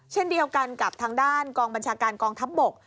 เช่นเดียวกันกับทางด้านกองบัญชาการกองทัพบก